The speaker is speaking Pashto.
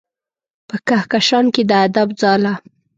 په کهکشان کې د ادب ځاله